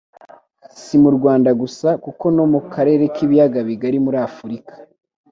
Si mu Rwanda gusa kuko no mu karere k'ibiyaga bigari muri Afurika